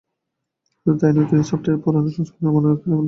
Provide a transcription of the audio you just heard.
শুধু তা-ই নয়, কোনো সফটওয়্যারের পুরোনো সংস্করণও নামানো যাবে এখান থেকে।